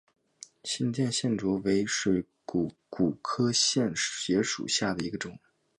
新店线蕨为水龙骨科线蕨属下的一个种。